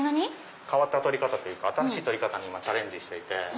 変わった撮り方というか新しい撮り方に今チャレンジしてて。